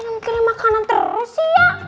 kenapa kirim makanan terus ya